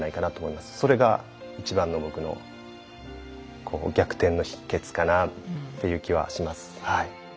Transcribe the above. それが一番の僕の逆転の秘けつかなっていう気はします。